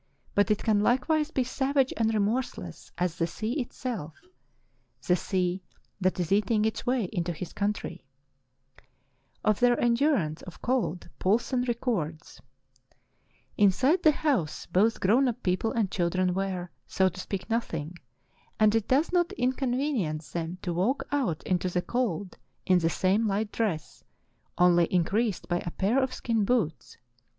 But it can likewise be savage and remorseless as the sea itself, the sea that is eating its way into his country," Of their endurance of cold Poulsen records: "Inside the house both grown up people and children wear, so to speak, nothing, and it does not inconvenience them to walk out into the cold in the same light dress, only increased by a pair of skin boots.